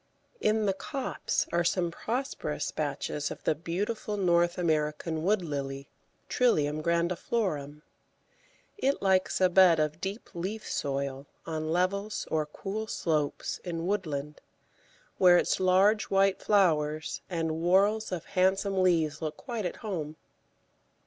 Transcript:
[Illustration: TRILLIUM IN THE WILD GARDEN.] In the copse are some prosperous patches of the beautiful North American Wood lily (Trillium grandiflorum). It likes a bed of deep leaf soil on levels or cool slopes in woodland, where its large white flowers and whorls of handsome leaves look quite at home.